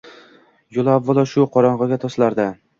Yo‘li avvalo shu qo‘rg‘onda to‘silardi.